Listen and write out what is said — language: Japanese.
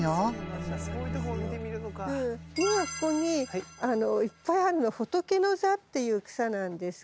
今ここにいっぱいあるのホトケノザっていう草なんですけど。